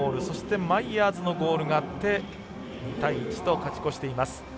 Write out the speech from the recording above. そして、マイヤーズのゴールがあって２対１と勝ち越しています。